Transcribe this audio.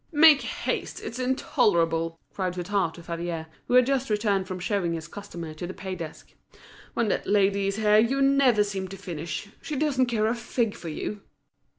"Make haste! it's intolerable!" cried Hutin to Favier, who had just returned from showing his customer to the pay desk. "When that lady is here you never seem to finish. She doesn't care a fig for you!"